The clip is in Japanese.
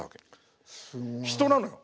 人なのよ